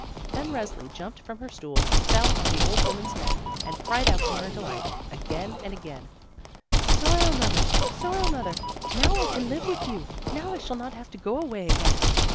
Then Resli jumped from her stool, fell on the old woman's neck, and cried out in her delight, again and again: "Sorrow mother! Sorrow mother! Now I can live with you! Now I shall not have to go away again!"